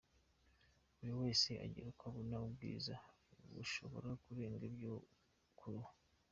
Buri wese agira uko abona ubwiza bushobora kurenga iby’ubwo ku ruhu.